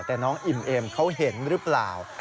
แต่น้องอิ่มเอ็มเขาเห็นหรือเปล่า